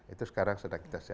itu sekarang sedang kita siapkan